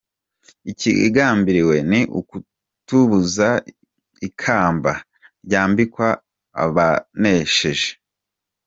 Ikigambiriwe ni ukutubuza ikamba ryambikwa abanesheje.